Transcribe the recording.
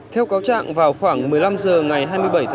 theo cáo trạng vào khoảng một mươi năm h